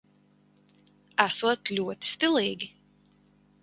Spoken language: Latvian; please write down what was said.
Esot ļoti stilīgi.